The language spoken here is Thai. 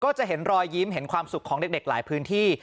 จะเห็นรอยยิ้มเห็นความสุขของเด็กหลายพื้นที่